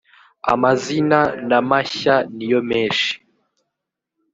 amazina na mashya niyomeshi.